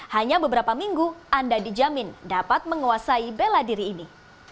hanya beberapa minggu anda dijamin dapat menguasai bela diri ini